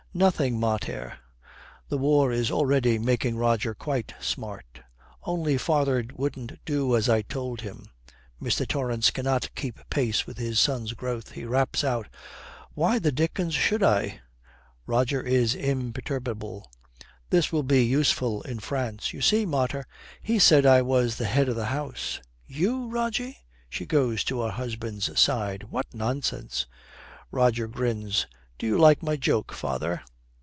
'Nothing, mater.' The war is already making Roger quite smart. 'Only father wouldn't do as I told him.' Mr. Torrance cannot keep pace with his son's growth. He raps out, 'Why the dickens should I?' Roger is imperturbable; this will be useful in France. 'You see, mater, he said I was the head of the house.' 'You, Rogie!' She goes to her husband's side. 'What nonsense!' Roger grins. 'Do you like my joke, father?'